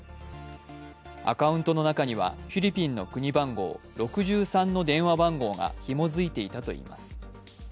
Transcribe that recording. アカウントの中にはフィリピンの国番号６３の電話番号がひも付いていたといいます。